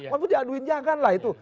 walaupun diaduin jangan lah itu